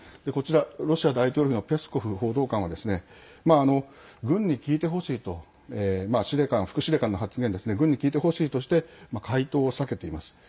ロシア大統領府のペスコフ報道官は軍に聞いてほしいと司令官、副司令官の発言軍に聞いてほしいとして回答を避けています。